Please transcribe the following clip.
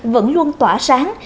vẫn luôn tỏa sáng